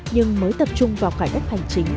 nhưng mới tập trung vào cải đất hành trình